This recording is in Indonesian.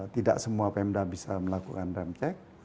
tidak semua pemda bisa melakukan rem cek